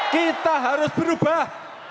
kita harus berubah